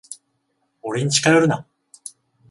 俺に近寄るな。